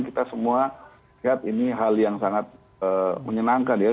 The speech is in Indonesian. kita semua lihat ini hal yang sangat menyenangkan ya